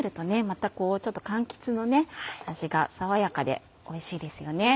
またちょっと柑橘の味が爽やかでおいしいですよね。